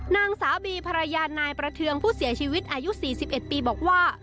นางสาวบีภรรยานายประเทืองผู้เสียชีวิตอายุ๔๑ปีบอกว่า